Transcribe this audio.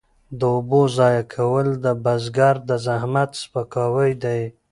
د اوبو ضایع کول د بزګر د زحمت سپکاوی دی.